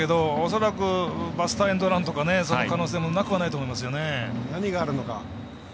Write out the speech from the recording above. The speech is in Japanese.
恐らくバスターエンドランとかその可能性もなくはないと思いますけどね。